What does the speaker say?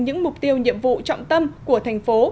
những mục tiêu nhiệm vụ trọng tâm của thành phố